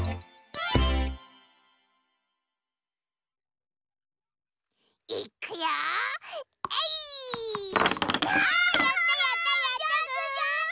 あやったやったやったぐ！